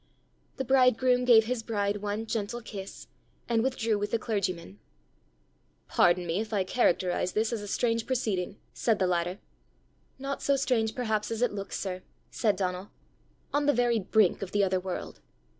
The bridegroom gave his bride one gentle kiss, and withdrew with the clergyman. "Pardon me if I characterize this as a strange proceeding!" said the latter. "Not so strange perhaps as it looks, sir!" said Donal. "On the very brink of the other world!"